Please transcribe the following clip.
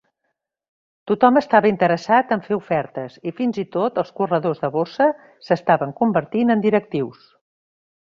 Tothom estava interessat en fer ofertes i fins i tot els corredors de borsa s"estaven convertint en directius.